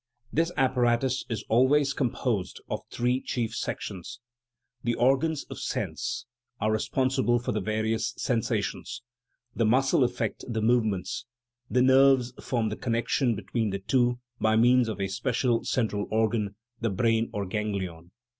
This appara tus is always composed of three chief sections : the or gans of sense are responsible for the various sensations ; the muscles effect the movements ; the nerves form the connection between the two by means of a special cen tral organ, the brain or ganglion.